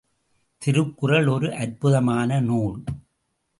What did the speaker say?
திருக்குறள் ஒரு அற்புதமான நூல்!